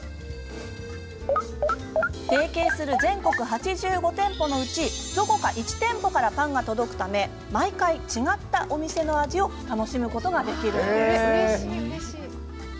提携する全国８５店舗のうちどこか１店舗からパンが届くため毎回、違ったお店の味を楽しむことができるんです。